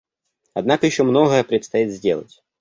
Однако еще многое предстоит сделать.